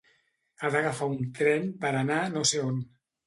Ha d'agafar un tren per anar no sé on.